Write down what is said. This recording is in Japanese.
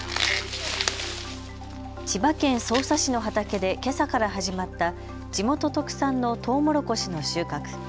千葉県匝瑳市の畑でけさから始まった地元特産のトウモロコシの収穫。